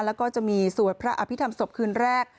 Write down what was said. แล้วก็จะมีสวดพระอภิษฐรรมศพคืนแรก